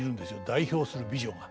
代表する美女が。